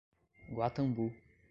Guatambu